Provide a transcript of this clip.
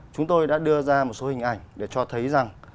chúng tôi đã đưa ra một số hình ảnh để cho thấy rằng